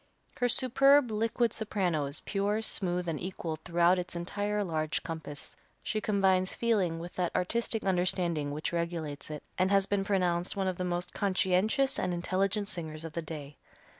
Her superb, liquid soprano is pure, smooth and equal throughout its entire large compass. She combines feeling with that artistic understanding which regulates it, and has been pronounced one of the most conscientious and intelligent singers of the day.